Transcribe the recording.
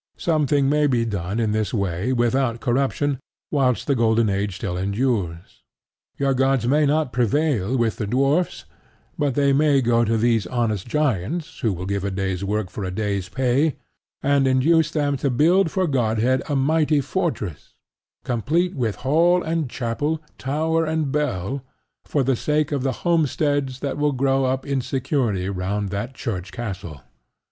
Something may be done in this way without corruption whilst the golden age still endures. Your gods may not prevail with the dwarfs; but they may go to these honest giants who will give a day's work for a day's pay, and induce them to build for Godhead a mighty fortress, complete with hall and chapel, tower and bell, for the sake of the homesteads that will grow up in security round that church castle.